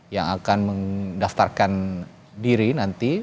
yang akan mendaftarkan diri nanti